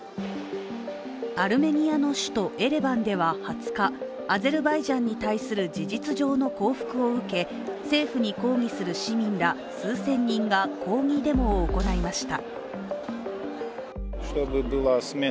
アルメニアの首都エレバンでは２０日アゼルバイジャンに対する事実上の降伏を受け、政府に抗議する市民ら数千人が抗議デモを行いました。